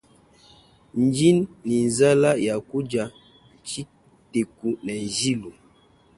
Ndi ni nzala yakudia tshiteku ne njilu.